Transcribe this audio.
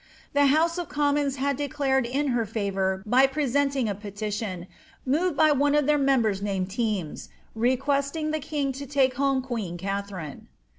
The House of Commons had declared in her frfour by presenting a petition, moved by one of their members named Terns, requesting the king to take home queen Katharine.